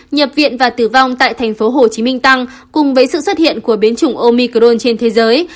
nhập viện và tử vong tại tp hcm tăng cùng với sự xuất hiện của biến chủng omicron trên thế giới